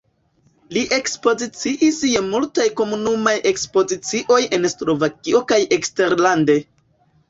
Li ekspoziciis je multaj komunaj ekspozicioj en Slovakio kaj eksterlande.